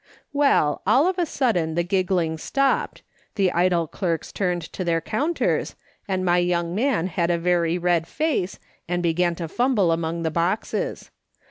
" Well, all of a sudden the giggling stopped, * the idle clerks turned to their counters, and my young man had a very red face, and began to fumble among the boxes.